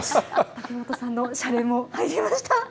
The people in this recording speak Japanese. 竹本さんのしゃれもありました。